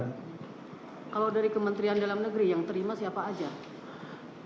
kalau dari kementerian dalam negeri yang terima siapa aja